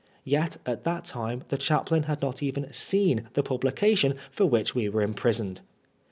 Yet at that time the chaplain had not even seen the publication for which we were imprisoned